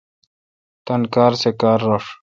تان کار سہ کار رݭ۔